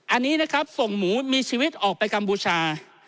อันนี้นะครับส่งหมูมีชีวิตออกไปกัมพูชา